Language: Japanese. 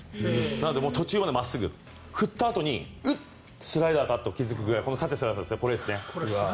なんで、途中まで真っすぐで振ったあとに、フッとスライダーだと気付くくらいこれですね。